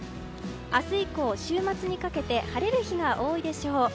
明日以降、週末にかけて晴れる日が多いでしょう。